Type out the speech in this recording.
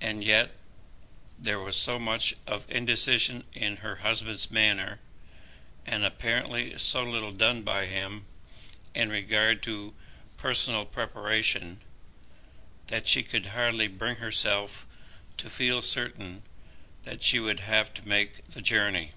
And yet there was so much of indecision in her husband's manner, and apparently so little done by him in regard to personal preparation, that she could hardly bring herself to feel certain that she would have to make the journey.